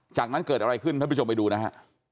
จากนั้นเกิดอะไรขึ้นท่านผู้ชมไปดูนะฮะ